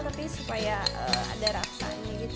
tapi supaya ada rasanya gitu